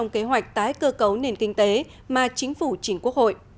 kế hoạch tái cơ cấu nền kinh tế mà chính phủ chính quốc hội